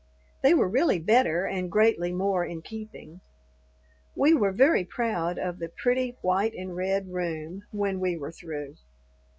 They were really better and greatly more in keeping. We were very proud of the pretty white and red room when we were through.